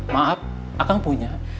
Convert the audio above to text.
maaf akan punya